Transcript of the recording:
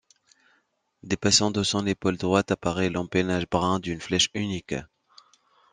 Dépassant de son épaule droite apparaît l'empennage brun d'une flèche unique.